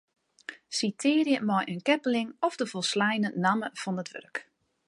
Sitearje mei in keppeling of de folsleine namme fan it wurk.